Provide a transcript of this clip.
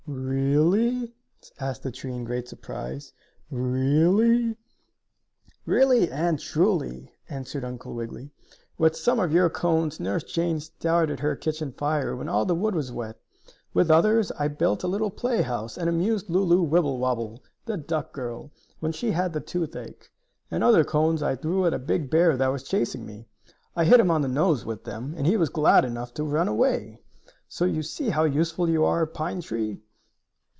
"Really?" asked the tree, in great surprise. "Really?" "Really and truly," answered Uncle Wiggily. "With some of your cones Nurse Jane started her kitchen fire when all the wood was wet. With others I built a little play house, and amused Lulu Wibblewobble, the duck girl, when she had the toothache. And other cones I threw at a big bear that was chasing me. I hit him on the nose with them, and he was glad enough to run away. So you see how useful you are, pine tree!"